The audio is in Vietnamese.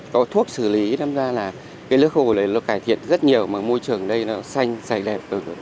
có thuốc xử lý làm ra là cái nước hồ này nó cải thiện rất nhiều mà môi trường ở đây nó xanh xanh đẹp